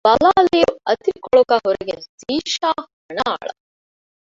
ބަލާލިއިރު އަތިރިކޮޅުގައި ހުރެގެން ޒީޝާ ހަނާ އަޅަ